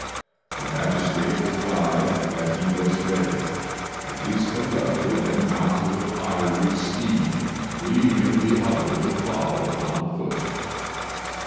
The magistrate replied that he was ready; and his conductor then mounted a fiery steed, leaving the other to follow on foot.